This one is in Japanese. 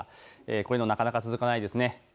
こういうの、なかなか続かないですね。